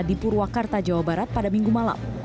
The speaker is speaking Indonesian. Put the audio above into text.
di purwakarta jawa barat pada minggu malam